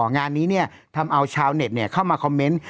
งานนี้ทำเอาชาวเน็ตเข้ามาคอมเมนต์